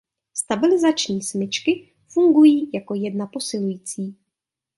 Stabilizační smyčky fungují jako jedna posilující.